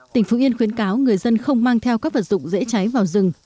tỉnh phú yên khuyến cáo người dân không mang theo các vật dụng dễ cháy vào rừng